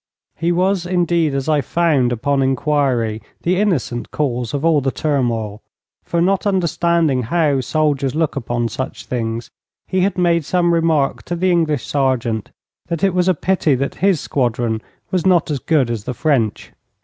He was, indeed, as I found upon inquiry, the innocent cause of all the turmoil, for, not understanding how soldiers look upon such things, he had made some remark to the English sergeant that it was a pity that his squadron was not as good as the French.